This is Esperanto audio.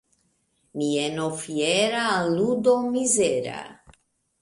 Mieno fiera al ludo mizera.